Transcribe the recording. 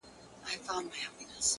پرون مي ستا په ياد كي شپه رڼه كړه!!